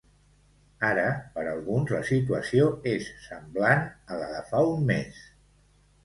Ara, per alguns la situació és semblant a la de fa un mes.